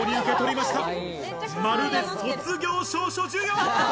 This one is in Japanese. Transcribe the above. まるで卒業証書授与。